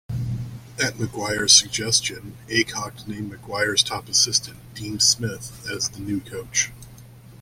At McGuire's suggestion, Aycock named McGuire's top assistant, Dean Smith, as the new coach.